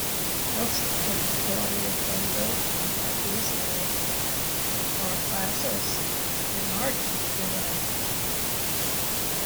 Both of them along with Brundle and Fabrizio Barbazza's Minardi were out.